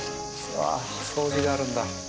掃除があるんだ。